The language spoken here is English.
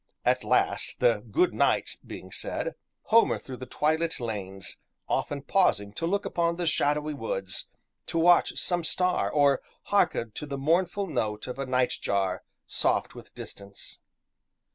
At last, the "Good nights" being said homeward through the twilit lanes, often pausing to look upon the shadowy woods, to watch some star, or hearken to the mournful note of a night jar, soft with distance.